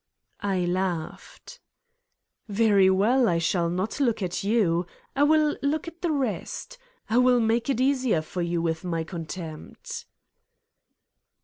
I laughed. "Very well. I shall not look at you. I will look at the rest. I will make it easier for you with my contempt."